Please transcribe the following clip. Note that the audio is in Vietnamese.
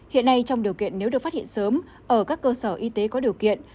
hiện nay trong điều kiện nếu được phát hiện sớm ở các cơ sở y tế có điều kiện